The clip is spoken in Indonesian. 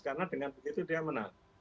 karena dengan begitu dia menang